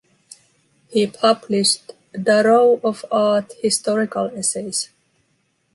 He published da row of art historical essays.